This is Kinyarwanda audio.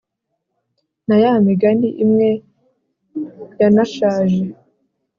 na ya migani imwe yanashaje,